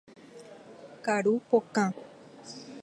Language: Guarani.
Karu pokã.